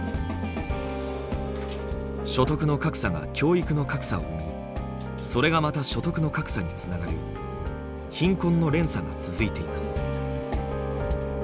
所得の格差が教育の格差を生みそれがまた所得の格差につながる「貧困の連鎖」が続いています。